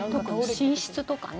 寝室とかね。